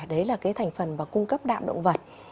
đấy là cái thành phần và cung cấp đạm động vật